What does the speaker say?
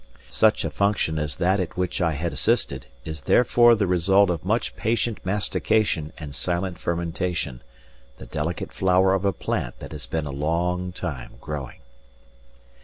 Such a function as that at which I had assisted is therefore the result of much patient mastication and silent fermentation the delicate flower of a plant that has been a long time growing.